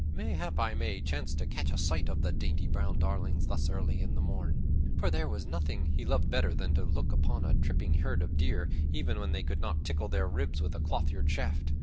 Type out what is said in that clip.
Mayhap I may chance to catch a sight of the dainty brown darlings thus early in the morn." For there was nothing he loved better than to look upon a tripping herd of deer, even when he could not tickle their ribs with a clothyard shaft.